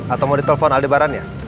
atau mau ditelepon aldebaran ya